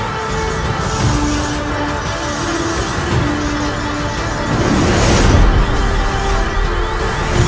karena kami sudah langsung plus muda tadi